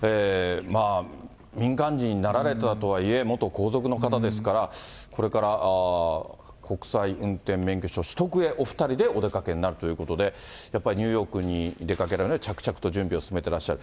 民間人になられたとはいえ、元皇族の方ですから、これから国際運転免許証取得へ、お２人でお出かけになるということで、やっぱりニューヨークに出かけられる、着々と準備を進めてらっしゃる。